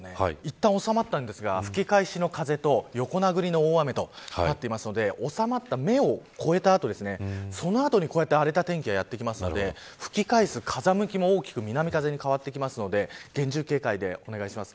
いったん収まったんですが吹き返しの風と横殴りの大雨となっているので収まった目を超えた後その後に荒れた天気がやってくるので吹き返し風向きも大きく南風に変わってくるので厳重警戒をお願いします。